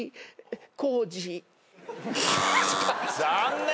残念。